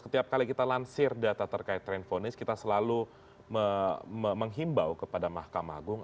setiap kali kita lansir data terkait tren fonis kita selalu menghimbau kepada mahkamah agung